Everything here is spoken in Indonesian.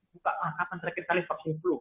buka angkatan terakhir kali vaksin flu